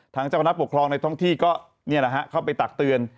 เจ้าพนักปกครองในท้องที่ก็เข้าไปตักเตือน